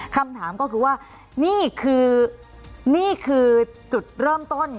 คำถามก็คือว่านี่คือนี่คือจุดเริ่มต้น